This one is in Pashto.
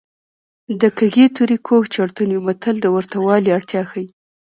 د کږې تورې کوږ چړتون وي متل د ورته والي اړتیا ښيي